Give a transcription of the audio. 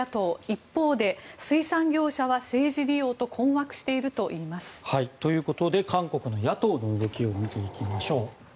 一方で、水産業者は政治利用と困惑しているといいます。ということで韓国の野党の動きを見ていきましょう。